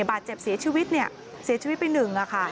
บาดเจ็บเสียชีวิตเนี่ยเสียชีวิตเสียชีวิตไปหนึ่งค่ะ